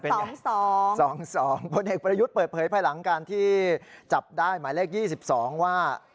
ผลเอกประยุทธ์เปิดเผยภายหลังการที่จับได้หมายเลข๒๒ว่า